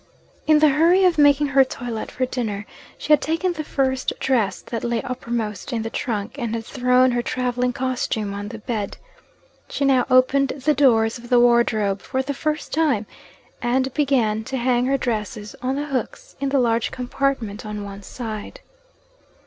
In the hurry of making her toilet for dinner, she had taken the first dress that lay uppermost in the trunk, and had thrown her travelling costume on the bed. She now opened the doors of the wardrobe for the first time, and began to hang her dresses on the hooks in the large compartment on one side.